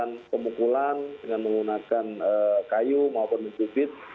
dengan pemukulan dengan menggunakan kayu maupun minum bukit